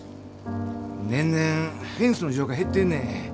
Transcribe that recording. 年々フェンスの需要が減ってんねん。